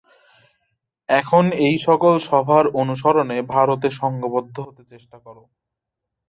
এখন এই সকল সভার অনুসরণে ভারতে সঙ্ঘবদ্ধ হতে চেষ্টা কর।